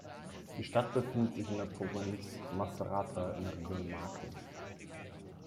Die Stadt befindet sich in der Provinz Macerata in der Region Marken.